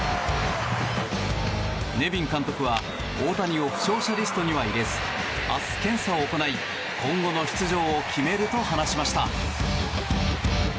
ネビン監督は大谷を負傷者リストには入れず明日、検査を行い今後の出場を決めると話しました。